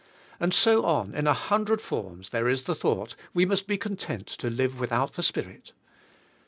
And so on, in a hundred forms, there is the thought, we must be content to live without the Spirit.